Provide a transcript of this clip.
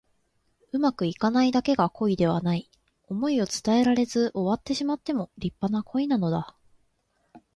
うまくいかないだけが恋ではない。想いを伝えられず終わってしまっても立派な恋なのだ。